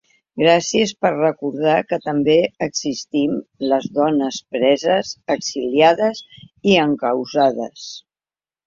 Gràcies per recordar que també existim les dones preses, exiliades i encausades.